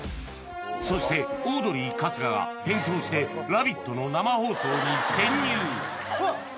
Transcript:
そしてオードリー春日が変装して「ラヴィット！」の生放送に潜入